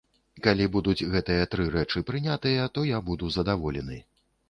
Калі будуць гэтыя тры рэчы прынятыя, то я буду задаволены.